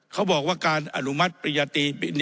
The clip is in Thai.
เขาบอกว่าการอนุมัติปริยาน